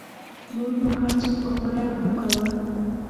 نور نو هر څوک په خپله خوښه و.